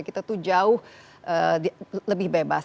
kita tuh jauh lebih bebas